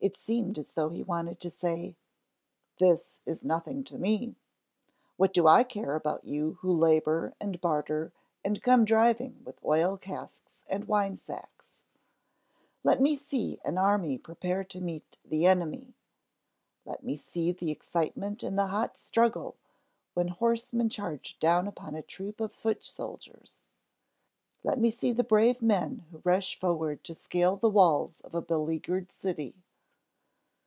It seemed as though he wanted to say: This is nothing to see. What do I care about you who labor and barter and come driving with oil casks and wine sacks! Let me see an army prepare to meet the enemy! Let me see the excitement and the hot struggle, when horsemen charge down upon a troop of foot soldiers! Let me see the brave men who rush forward to scale the walls of a beleaguered city!